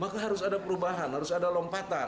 maka harus ada perubahan harus ada lompatan